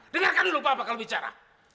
dengarkan dulu pak kalau bicara